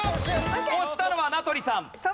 押したのは名取さん。